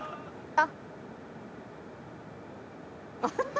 あっ。